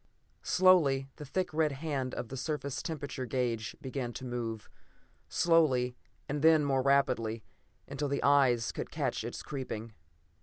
Slowly the thick red hand of the surface temperature gauge began to move; slowly, and then more rapidly, until the eyes could catch its creeping.